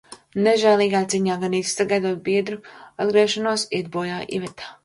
Nežēlīgā cīņā, gandrīz sagaidot biedru atgriešanos, iet bojā Iveta.